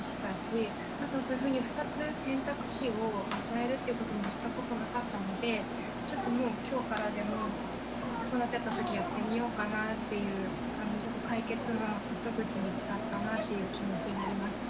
あとそういうふうに２つ選択肢を与えるっていうこともしたことなかったのでちょっともう今日からでもそうなっちゃったときやってみようかなっていう解決の糸口見つかったなっていう気持ちになりました。